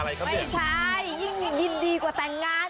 ไม่ใช่ยิ่งยินดีกว่าแต่งงาน